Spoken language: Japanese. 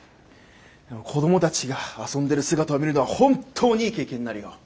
子どもたちが遊んでる姿を見るのは本当にいい経験になるよ。